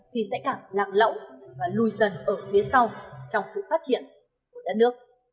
thì sẽ càng lạc lẫu và lùi dần ở phía sau